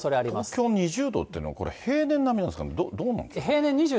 東京２０度っていうのは、これ、平年並みなんですか、どうなんですかね。